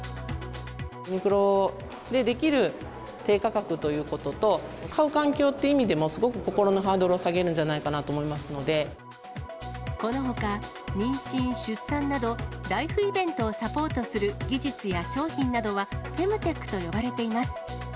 ユニクロでできる低価格ということと、買う環境っていう意味でも、すごく心のハードルを下げるんじこのほか、妊娠、出産など、ライフイベントをサポートする技術や商品などは、フェムテックと呼ばれています。